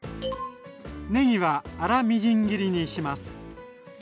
ねぎは粗みじん切りにします。